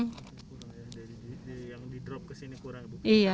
yang di drop ke sini kurang